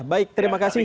ya baik terima kasih